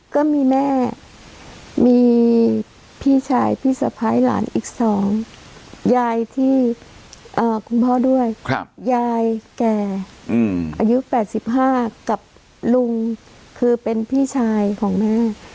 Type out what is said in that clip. ก็มีแม่มีพี่ชายพี่สะพ้ายหลานอีก๒ยายที่คุณพ่อด้วยยายแก่อายุ๘๕กับลุงคือเป็นพี่ชายของแม่